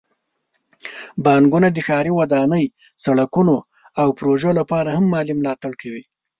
بانکونه د ښاري ودانۍ، سړکونو، او پروژو لپاره هم مالي ملاتړ کوي.